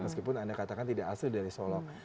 meskipun anda katakan tidak asli dari solok